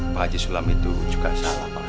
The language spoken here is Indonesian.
pak haji sulam itu juga salah pak ustadz